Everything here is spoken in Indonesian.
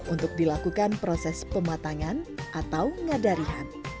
untuk dilakukan proses pematangan atau ngadarihan